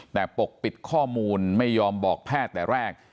แต่ปกปิดข้อมูลไม่ยอมบอกแพทย์แต่แรก